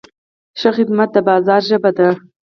ښه خدمت د بازار ژبه ده.